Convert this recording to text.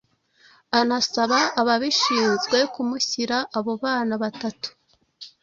anasaba ababishinzwe kumushyira abo bana batatu